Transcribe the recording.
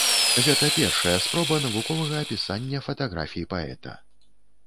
Гэта першая спроба навуковага апісання фатаграфій паэта.